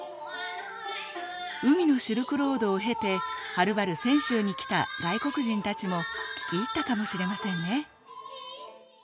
海のシルクロードを経てはるばる泉州に来た外国人たちも聴き入ったかもしれませんね。